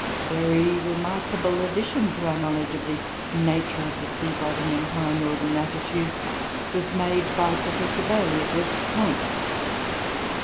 ] In 1856, a very remarkable addition to our knowledge of the nature of the sea bottom in high northern latitudes was made by Professor Bailey of West Point.